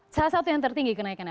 salah satu yang tertinggi kenaikannya